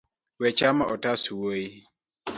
We chamo otas wuoi.